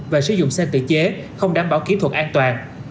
và sử dụng xe tự chế không đảm bảo kỹ thuật an toàn